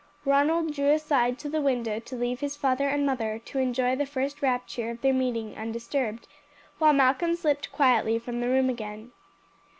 Ronald drew aside to the window to leave his father and mother to enjoy the first rapture of their meeting undisturbed, while Malcolm slipped quietly from the room again.